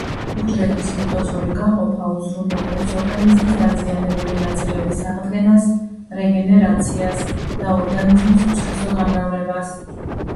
უჯრედის მიტოზური გაყოფა უზრუნველყოფს ორგანიზმის დაზიანებული ნაწილების აღდგენას -რეგენერაციას და ორგანიზმის უსქესო გამრავლებას.